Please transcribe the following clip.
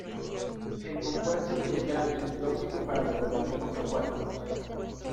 El compuesto es ligeramente tóxico para los organismos acuáticos.